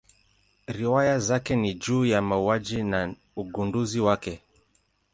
Riwaya zake ni juu ya mauaji na ugunduzi wake.